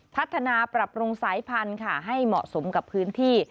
พัฒนาปรับปรุงสายพันธุ์ค่ะให้เหมาะสมกับพื้นที่